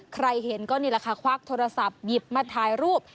ใครเห็นก็นี่แหละค่ะควักโทรศัพท์หยิบมาถ่ายรูป